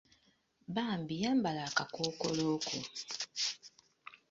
Bambi yambala akakookoolo ko.